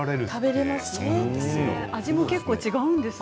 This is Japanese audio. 味も違うんですね。